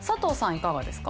いかがですか？